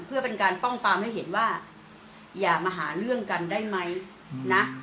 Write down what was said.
เพื่อเป็นการป้องปรามให้เห็นว่าอย่ามาหาเรื่องกันได้ไหมนะ